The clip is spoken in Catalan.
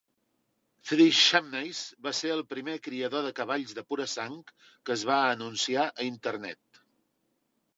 Three Chimneys va ser el primer criador de cavalls de pura sang que es va anunciar a internet.